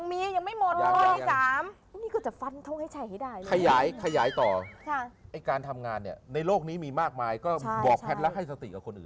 เดี๋ยวสิยังมียังไม่หมดเลย